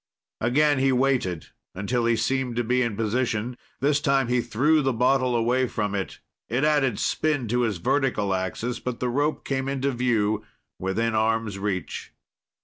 Again he waited, until he seemed to be in position. This time he threw the bottle away from it. It added spin to his vertical axis, but the rope came into view within arm's reach.